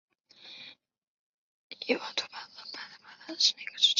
伊瓦图巴是巴西巴拉那州的一个市镇。